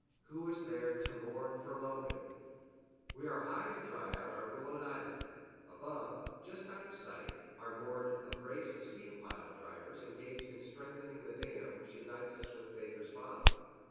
"Who is there to mourn for Logan?" We are high and dry on our willowed island. Above, just out of sight, are moored a brace of steam pile drivers engaged in strengthening the dam which unites us with Baker's Bottom.